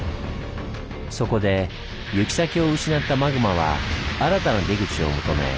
そこで行き先を失ったマグマは新たな出口を求め